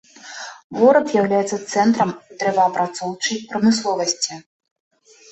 Горад з'яўляецца цэнтрам дрэваапрацоўчай прамысловасці.